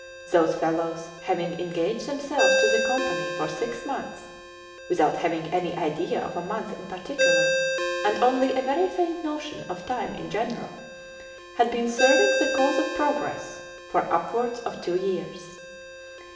Those fellows, having engaged themselves to the Company for six months (without having any idea of a month in particular and only a very faint notion of time in general), had been serving the cause of progress for upwards of two years.